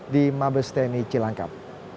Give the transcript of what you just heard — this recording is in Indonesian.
di mabestani cilangkap